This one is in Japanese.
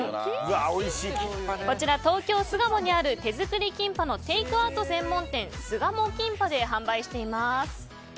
こちら、東京・巣鴨にある手作りキンパのテイクアウト専門店すがもキンパで販売しています。